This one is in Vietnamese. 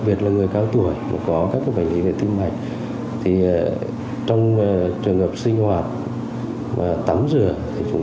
biệt là người cao tuổi có các bệnh viện tim mạch thì trong trường hợp sinh hoạt tắm rửa thì chúng